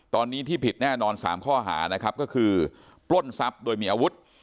ตอนนี้ที่ผิดแน่นอน๓ข้อหานะครับก็คือปล้นทรัพย์โดยมีอาวุธ